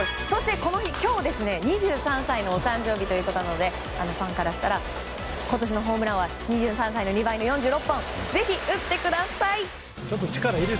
そして、この日、今日２３歳のお誕生日ということでファンからしたら今年のホームランは２３歳の２倍の４６本ぜひ打ってください。